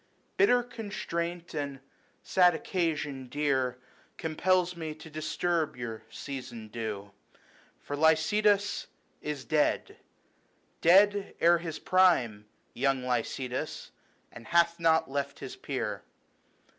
Bitter constraint and sad occasion dear Compels me to disturb your season due ; For Lycidas is dead, dead ere his prime, Young Lycidas, and hath not left his peer.